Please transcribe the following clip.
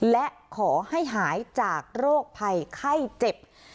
และขอให้หายจากโรคภัยไข้เจ็บ